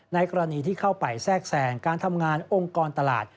กรณีที่เข้าไปแทรกแทรงการทำงานองค์กรตลาด